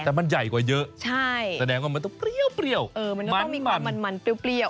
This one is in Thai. แต่มันใหญ่กว่าเยอะใช่แสดงว่ามันต้องเปรี้ยวมันต้องมีความมันเปรี้ยว